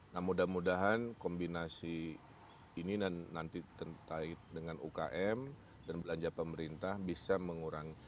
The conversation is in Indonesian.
nah mudah mudahan kombinasi ini nanti terkait dengan ukm dan belanja pemerintah bisa mengurangi